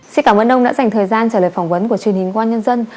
xin cảm ơn ông đã dành thời gian trả lời phỏng vấn của truyền hình quan nhân dân